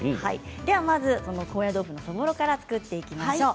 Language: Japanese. まず高野豆腐のそぼろから作っていきましょう。